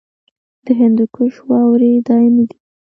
د هندوکش واورې دایمي دي